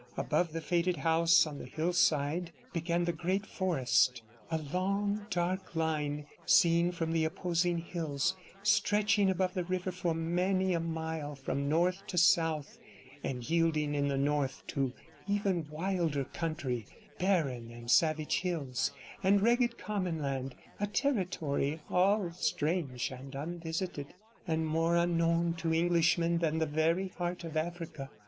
Above the faded house on the hillside began the great forest a long, dark line seen from the opposing hills, stretching above the river for many a mile from north to south, and yielding in the north to even wilder country, barren and savage hills, and ragged 54 commonland, a territory all strange and unvisited, and more unknown to Englishmen than the very heart of Africa.